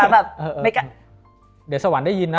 แบบเดี๋ยวสวรรค์ได้ยินนะ